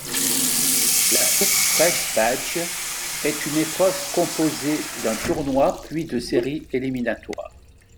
La coupe Fred Page est une épreuve composée d'un tournoi puis de séries éliminatoires.